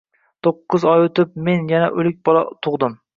To`qqiz oy o`tib men yana o`lik bola tug`dim